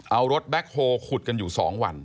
เอารถแบ็คโฮลขุดกันอยู่๒วัน